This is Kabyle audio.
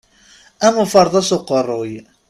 Am uferḍas uqerruy.